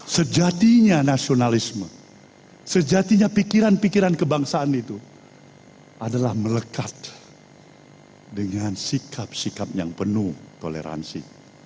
sejatinya nasionalisme sejatinya pikiran pikiran kebangsaan itu adalah melekat dengan sikap sikap yang penuh toleransi